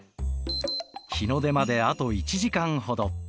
日の出まであと１時間ほど。